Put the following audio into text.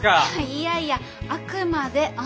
いやいやあくまで案だよ。